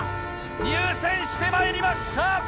入線してまいりました。